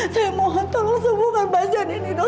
saya mohon tolong sembuhkan pasien ini dok